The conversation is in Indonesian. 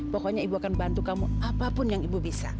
pokoknya ibu akan bantu kamu apapun yang ibu bisa